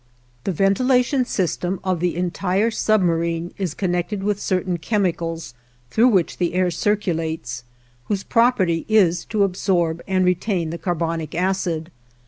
The ventilation system of the entire submarine is connected with certain chemicals, through which the air circulates, whose property is to absorb and retain the carbonic acid.